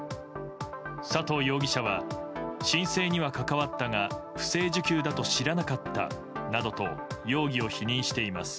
佐藤容疑者は申請には関わったが不正受給だと知らなかったなどと容疑を否認しています。